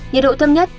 nhiệt độ thâm nhất